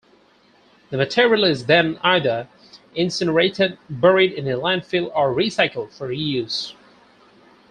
The material is then either incinerated, buried in a landfill or recycled for reuse.